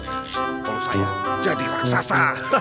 kalau saya jadi raksasa